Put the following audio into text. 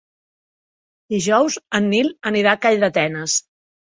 Dijous en Nil anirà a Calldetenes.